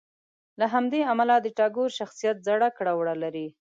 له همدې امله د ټاګور شخصیت زاړه کړه وړه لري.